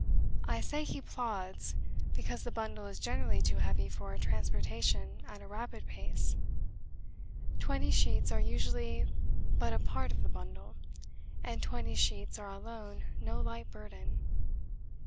I say he "plods" because the bundle is generally too heavy for transportation at a rapid pace. Twenty sheets are usually but a part of the bundle; and twenty sheets are alone no light burden.